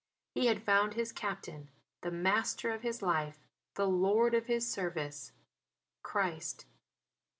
He had found his Captain the Master of his life, the Lord of his service, Christ.